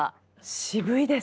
渋いですね。